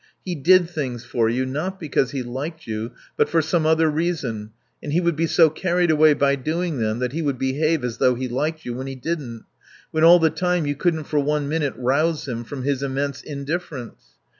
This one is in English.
He did things for you, not because he liked you, but for some other reason; and he would be so carried away by doing them that he would behave as though he liked you when he didn't, when all the time you couldn't for one minute rouse him from his immense indifference.